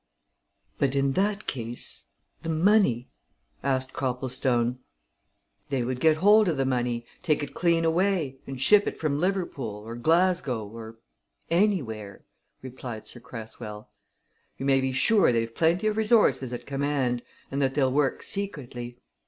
"But in that case the money?" asked Copplestone. "They would get hold of the money, take it clean away, and ship it from Liverpool, or Glasgow, or anywhere," replied Sir Cresswell. "You may be sure they've plenty of resources at command, and that they'll work secretly.